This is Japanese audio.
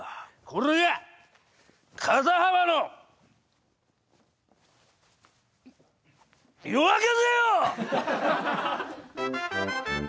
これが肩幅の夜明けぜよ！